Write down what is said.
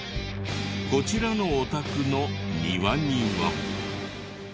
こちらのお宅の庭には。